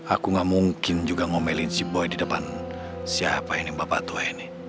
aku gak mungkin juga ngomelin si boy di depan siapa ini bapak tua ini